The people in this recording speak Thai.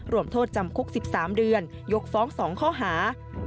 รวมโทษจำคุก๑๓เดือนยกฟ้อง๒ข้อหา